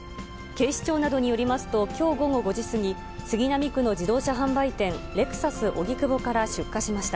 警視庁などによりますと、きょう午後５時過ぎ、杉並区の自動車販売店、レクサス荻窪から出火しました。